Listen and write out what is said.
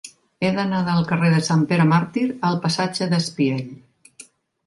He d'anar del carrer de Sant Pere Màrtir al passatge d'Espiell.